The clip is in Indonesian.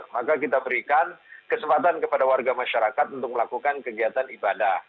maka kita berikan kesempatan kepada warga masyarakat untuk melakukan kegiatan ibadah